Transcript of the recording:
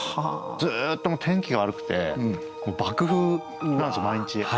ずっと天気が悪くて爆風なんですよ毎日。